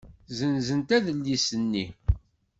Ssenzent adlis-nni.